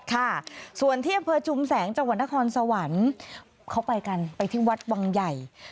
ค่ะส่วนที่อำเภอจุมแสงจังหวัดนครสวรรค์เขาไปกันไปที่วัดวังใหญ่